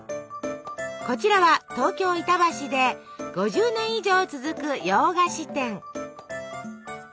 こちらは東京板橋で５０年以上続く洋菓子店。